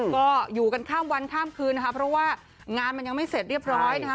ก็อยู่กันข้ามวันข้ามคืนนะคะเพราะว่างานมันยังไม่เสร็จเรียบร้อยนะคะ